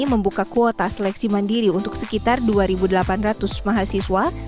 membuka kuota seleksi mandiri untuk sekitar dua delapan ratus mahasiswa